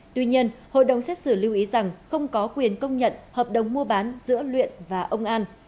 tuy nhiên hội đồng xét xử lưu ý rằng không có quyền công nhận hợp đồng mua bán giữa luyện và ông an